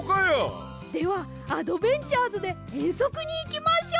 ではあどべんちゃーずでえんそくにいきましょう！